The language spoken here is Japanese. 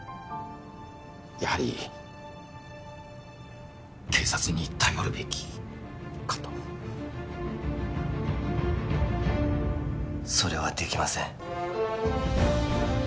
やはり警察に頼るべきかとそれはできません